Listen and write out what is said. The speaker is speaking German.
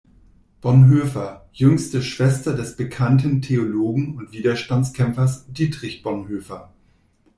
Bonhoeffer, jüngste Schwester des bekannten Theologen und Widerstandskämpfers Dietrich Bonhoeffer.